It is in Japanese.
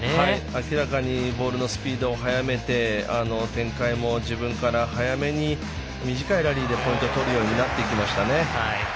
明らかにボールのスピードを速めて展開も自分から早めに短いラリーでポイントを取るようになってきましたね。